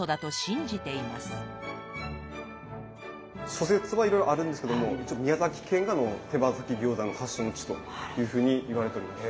諸説はいろいろあるんですけども一応宮崎県が手羽先餃子の発祥の地というふうに言われております。